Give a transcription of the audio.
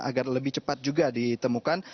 agar lebih cepat juga ditemukan